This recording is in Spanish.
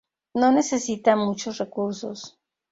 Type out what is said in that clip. No necesita muchos recursos.